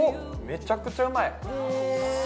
めちゃくちゃうまいへえ